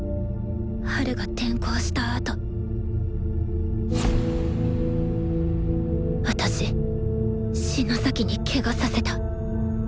ハルが転校したあと私篠崎にケガさせた。